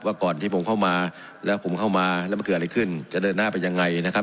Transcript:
ก่อนที่ผมเข้ามาแล้วผมเข้ามาแล้วมันเกิดอะไรขึ้นจะเดินหน้าไปยังไงนะครับ